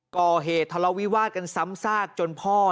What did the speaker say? ก่อเหตุทะเลาวิวาสกันซ้ำซากจนพ่อ